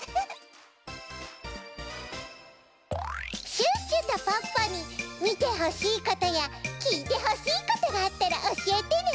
シュッシュとポッポにみてほしいことやきいてほしいことがあったらおしえてね。